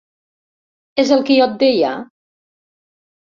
És el que jo et deia!